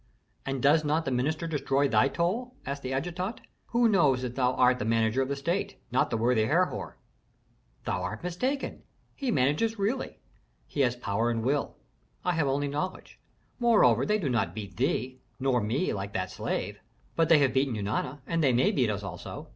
"And does not the minister destroy thy toil?" asked the adjutant. "Who knows that thou art the manager of the state, not the worthy Herhor?" "Thou art mistaken. He manages really. He has power and will; I have only knowledge. Moreover, they do not beat thee, nor me, like that slave." "But they have beaten Eunana, and they may beat us also.